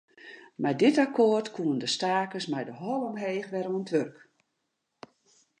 Mei dit akkoart koenen de stakers mei de holle omheech wer oan it wurk.